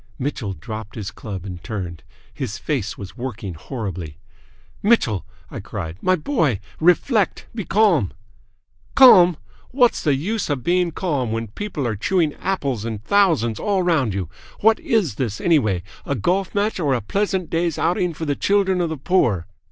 Mitchell dropped his club and turned. His face was working horribly. "Mitchell!" I cried. "My boy! Reflect! Be calm!" "Calm! What's the use of being calm when people are chewing apples in thousands all round you? What is this, anyway a golf match or a pleasant day's outing for the children of the poor?